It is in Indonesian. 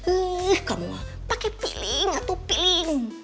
ih kamu mah pake piling atau piling